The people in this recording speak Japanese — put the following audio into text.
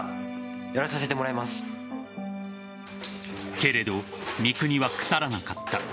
けれど三國は腐らなかった。